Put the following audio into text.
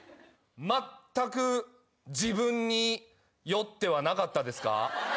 まったく自分に酔ってはなかったですか？